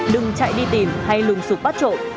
đừng chạy đi tìm hay lùng sụp bắt trộm